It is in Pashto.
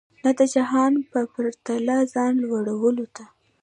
نه د جهان په پرتله ځان لوړولو ته.